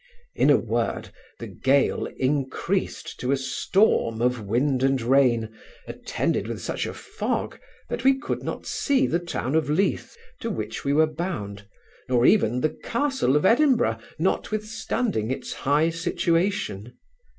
In a word, the gale increased to a storm of wind and rain, attended with such a fog, that we could not see the town of Leith, to which we were bound, nor even the castle of Edinburgh, notwithstanding its high situation.